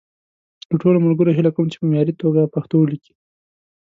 له ټولو ملګرو هیله کوم چې په معیاري توګه پښتو وليکي.